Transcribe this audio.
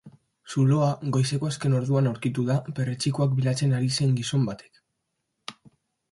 Zuloa goizeko azken orduan aurkitu du perretxikoak bilatzen ari zen gizon batek.